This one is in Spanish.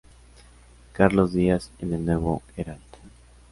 Carlos Díaz en "El Nuevo Herald"